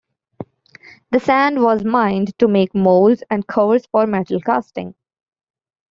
The sand was mined to make molds and cores for metal casting.